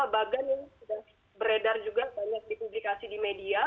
bagan yang sudah beredar juga banyak di publikasi di media